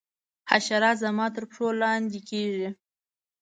حشرات زما تر پښو لاندي کیږي.